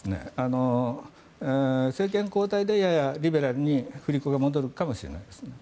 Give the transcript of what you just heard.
政権交代で、ややリベラルに振り子が戻るかもしれないですね。